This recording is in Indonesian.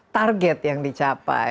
target yang dicapai